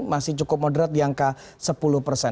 masih cukup moderat di angka sepuluh persen